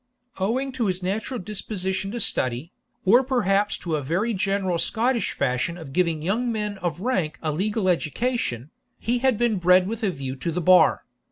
Owing to his natural disposition to study, or perhaps to a very general Scottish fashion of giving young men of rank a legal education, he had been bred with a view to the bar.